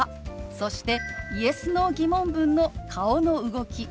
そしてＹｅｓ／Ｎｏー疑問文の顔の動き